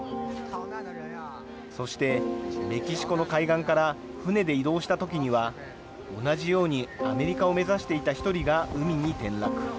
そしてメキシコの海岸から船で移動したときには、同じようにアメリカを目指していた１人が海に転落。